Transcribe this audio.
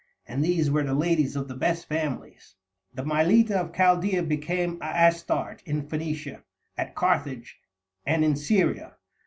And these were the ladies of the best families. The Mylitta of Chaldæa became Astarte in Phoenicia, at Carthage, and in Syria.